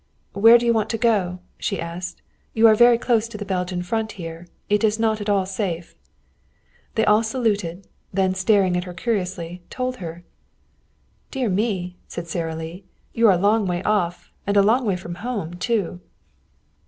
"Where do you want to go?" she asked. "You are very close to the Belgian Front here. It is not at all safe." They all saluted; then, staring at her curiously, told her. "Dear me!" said Sara Lee. "You are a long way off. And a long way from home too."